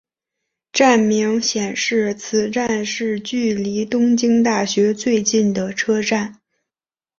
站名显示此站是距离东京大学最近的车站。